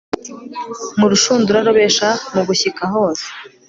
mu rushundura arobesha mugushyika hose